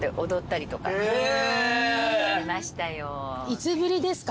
いつぶりですか？